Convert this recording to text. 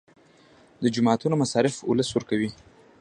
د جوماتونو مصارف ولس ورکوي